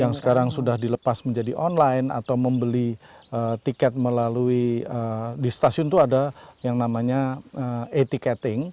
yang sekarang sudah dilepas menjadi online atau membeli tiket melalui di stasiun itu ada yang namanya e ticket